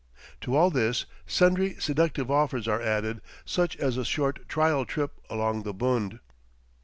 To all this, sundry seductive offers are added, such as a short trial trip along the bund.